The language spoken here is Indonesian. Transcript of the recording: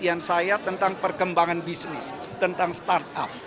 saya juga ingin mencari penelitian tentang perkembangan bisnis tentang start up